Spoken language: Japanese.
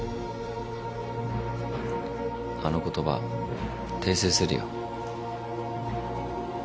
あの言葉訂正するよ。